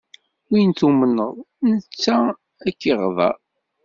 Win tumneḍ, netta a k-iɣder.